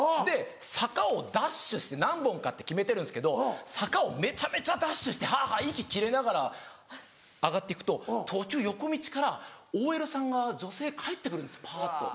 坂をダッシュして何本かって決めてるんですけど坂をめちゃめちゃダッシュしてはぁはぁ息切れながら上がって行くと途中横道からＯＬさんが女性帰って来るんですよぱっと。